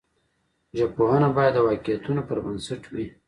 ژبپوهنه باید د واقعیتونو پر بنسټ وي.